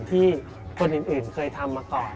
ที่คนอื่นเคยทำมาก่อน